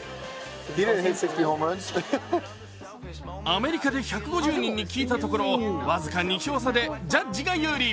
アメリカで１５０人に聞いたところ僅か２票差でジャッジが有利。